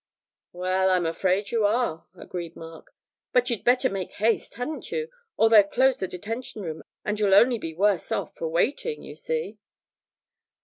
'Well, I'm afraid you are,' agreed Mark, 'but you'd better make haste, hadn't you? or they'll close the Detention Room, and you'll only be worse off for waiting, you see.'